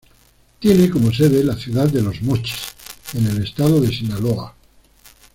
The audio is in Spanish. Tiene como sede la ciudad de Los Mochis, en el estado de Sinaloa.